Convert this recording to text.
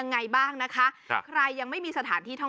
สุดยอดน้ำมันเครื่องจากญี่ปุ่น